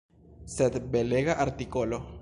Sed belega artikolo!